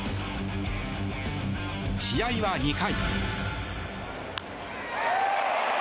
試合は２回。